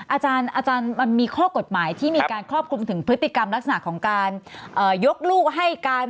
อาจารย์มันมีข้อกฎหมายที่มีการครอบคลุมถึงพฤติกรรมลักษณะของการยกลูกให้การ